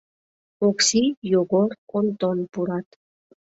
Окси, Йогор, Онтон пурат.